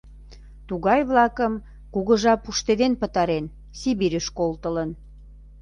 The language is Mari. Тугай-влакым кугыжа пуштеден пытарен, Сибирьыш колтылын.